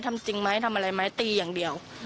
จริงไหมทำอะไรไหมตีอย่างเดียว